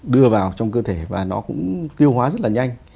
đưa vào trong cơ thể và nó cũng tiêu hóa rất là nhanh